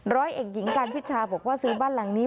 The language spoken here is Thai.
ร้อยเอกหญิงการพิชาบอกว่าซื้อบ้านหลังนี้